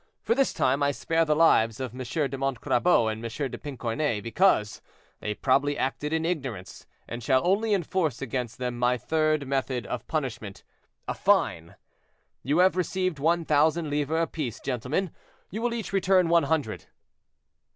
For this time, I spare the lives of M. de Montcrabeau and M. de Pincornay, because they probably acted in ignorance, and shall only enforce against them my third method of punishment—a fine. You have received one thousand livres apiece, gentlemen; you will each return one hundred."